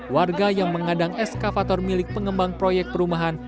warga yang mengadang eskavator milik pengembang proyek perumahan